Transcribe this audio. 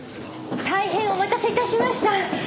大変お待たせ致しました。